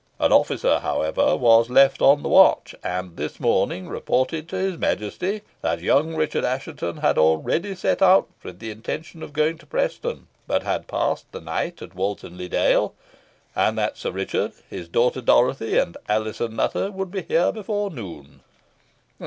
An officer, however, was left on the watch, and this very morning reported to his Majesty that young Richard Assheton had already set out with the intention of going to Preston, but had passed the night at Walton le Dale, and that Sir Richard, his daughter Dorothy, and Alizon Nutter, would be here before noon."